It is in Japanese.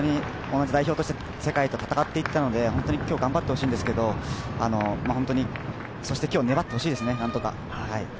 同じ代表として世界と戦っていったので、本当に今日は頑張ってほしいんですけど、そして今日、何とか粘ってほしいですね。